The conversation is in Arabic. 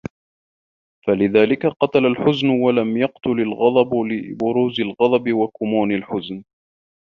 فَلِذَلِكَ قَتَلَ الْحُزْنُ وَلَمْ يَقْتُلْ الْغَضَبُ لِبُرُوزِ الْغَضَبِ وَكُمُونِ الْحُزْنِ